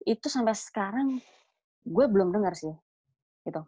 itu sampai sekarang gue belum dengar sih